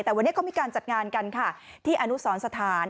แต่วันนี้เขามีการจัดงานกันค่ะที่อนุสรสถาน